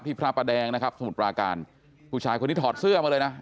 พระประแดงนะครับสมุทรปราการผู้ชายคนนี้ถอดเสื้อมาเลยนะ